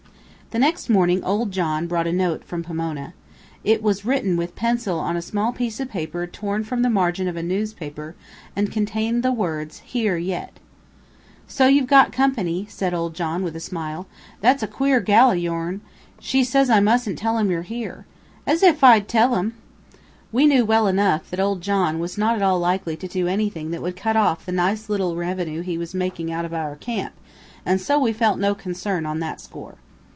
The next morning old John brought a note from Pomona. It was written with pencil on a small piece of paper torn from the margin of a newspaper, and contained the words, "Here yit." "So you've got company," said old John, with a smile. "That's a queer gal of yourn. She says I mustn't tell 'em you're here. As if I'd tell 'em!" We knew well enough that old John was not at all likely to do anything that would cut off the nice little revenue he was making out of our camp, and so we felt no concern on that score.